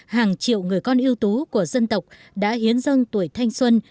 hàng triệu người con yêu tú của dân tộc đã hiến dâng tuổi thanh xuân